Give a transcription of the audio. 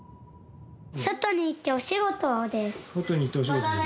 外に行ってお仕事です。